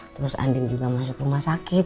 terus andin juga masuk rumah sakit